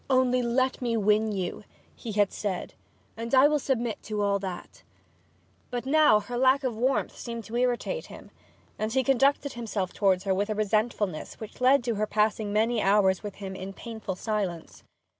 'Only let me win you,' he had said, 'and I will submit to all that.' But now her lack of warmth seemed to irritate him, and he conducted himself towards her with a resentfulness which led to her passing many hours with him in painful silence.